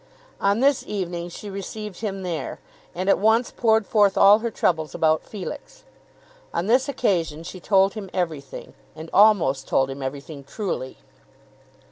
On this evening she received him there, and at once poured forth all her troubles about Felix. On this occasion she told him everything, and almost told him everything truly.